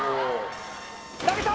投げた！